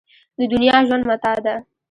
د دنیا ژوند متاع ده.